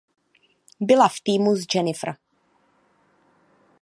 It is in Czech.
Byla v týmu s Jennifer.